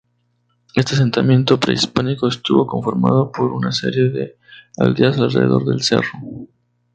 Este asentamiento prehispánico estuvo conformado por una serie de aldeas alrededor del cerro.